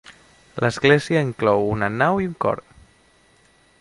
L'església inclou una nau i un cor.